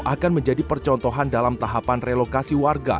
akan menjadi percontohan dalam tahapan relokasi warga